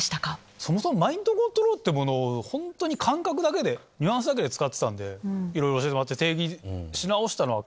そもそもマインドコントロールってものをホントに感覚だけでニュアンスだけで使ってたんでいろいろ教えてもらって。